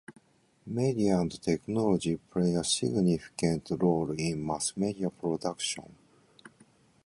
Media and technology play a significant role in mass media production.